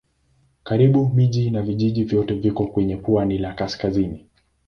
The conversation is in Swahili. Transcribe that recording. Karibu miji na vijiji vyote viko kwenye pwani la kaskazini.